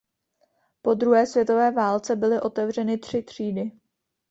Po druhé světové válce byly otevřeny tři třídy.